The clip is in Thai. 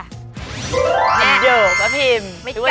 เยอะป้าพิม